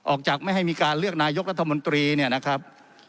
ไม่ให้มีการเลือกนายกรัฐมนตรีเนี่ยนะครับ